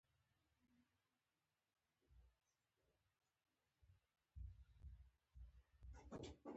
دوي ابتدائي تعليم سوات کښې حاصل کړو،